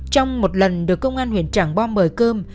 trong một lần được công an huyện trảng bom mời cơm